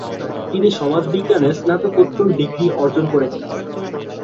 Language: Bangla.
তিনি সমাজবিজ্ঞানে স্নাতকোত্তর ডিগ্রি অর্জন করেছেন।